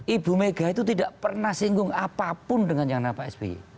ibu mega itu tidak pernah singgung apapun dengan yang nama pak sby